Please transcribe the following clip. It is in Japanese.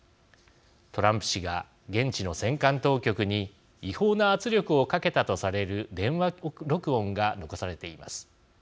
トランプ氏が現地の選管当局に違法な圧力をかけたとされる電話録音が残されています。